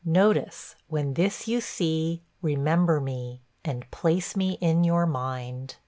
Notice when this you see, remember me, and place me in your mind.